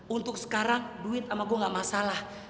untuk sekarang duit sama gue gak masalah